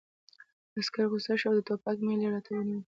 عسکر غوسه شو او د ټوپک میل یې راته ونیو